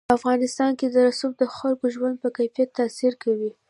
په افغانستان کې رسوب د خلکو د ژوند په کیفیت تاثیر کوي.